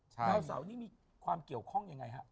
ดาวเสาร์นี้มีความเกี่ยวข้องยังไงฮะ